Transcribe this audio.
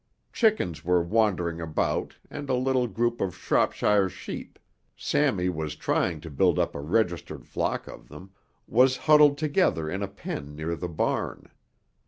Chickens were wandering about and a little group of Shropshire sheep Sammy was trying to build up a registered flock of them was huddled together in a pen near the barn.